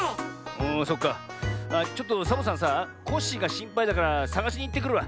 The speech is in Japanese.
あっちょっとサボさんさコッシーがしんぱいだからさがしにいってくるわ。